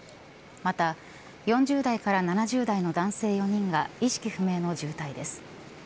また、４０代から７０代の男性４人が意識不明の重体です。